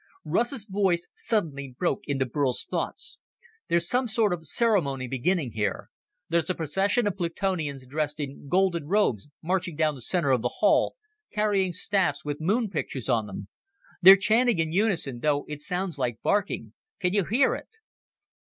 Russ's voice suddenly broke into Burl's thoughts, "There's some sort of ceremony beginning here. There's a procession of Plutonians dressed in golden robes marching down the center of the hall, carrying staffs with moon pictures on them.... They're chanting in unison, though it sounds like barking. Can you hear it?"